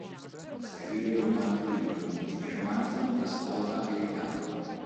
Scrive un altro libro, il romanzo "La sposa e il diavolo".